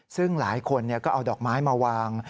ซึ่งหลายคนก็เอาดอกไม้มาวาง